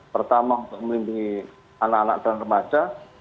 pertama untuk melindungi anak anak dan remaja